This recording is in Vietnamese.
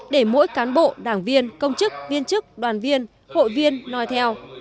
để mỗi cán bộ đảng viên công chức viên chức đoàn viên hội viên nói theo